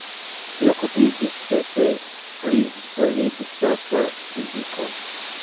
Li okupiĝas ĉefe pri solid-stata fiziko.